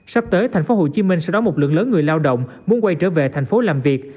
sắp tới thành phố hồ chí minh sẽ đón một lượng lớn người lao động muốn quay trở về thành phố làm việc